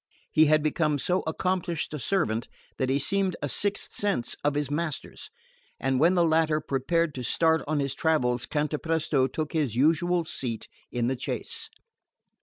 He had become so accomplished a servant that he seemed a sixth sense of his master's; and when the latter prepared to start on his travels Cantapresto took his usual seat in the chaise.